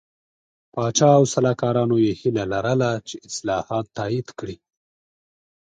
پاچا او سلاکارانو یې هیله لرله چې اصلاحات تایید کړي.